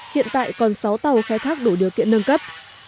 hiện tại còn sáu tàu khai thác đủ điều kiện nâng cấp